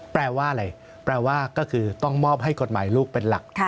แปลว่าอะไรแปลว่าก็คือต้องมอบให้กฎหมายลูกเป็นหลัก